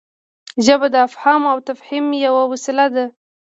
ژبه د افهام او تفهیم یوه وسیله ده.